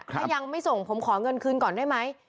ถ้ายังไม่ส่งผมขอเงินคืนก่อนได้ไหม